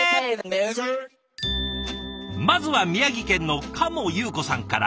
まずは宮城県の加茂由子さんから。